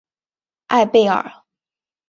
艾贝尔。